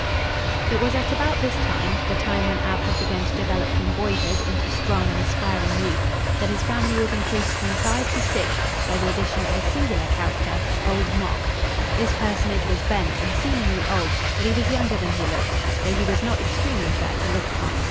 It was at about this time, the time when Ab had begun to develop from boyhood into strong and aspiring youth, that his family was increased from five to six by the addition of a singular character, Old Mok. This personage was bent and seemingly old, but he was younger than he looked, though he was not extremely fair to look upon.